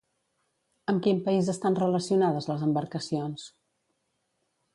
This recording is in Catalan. Amb quin país estan relacionades les embarcacions?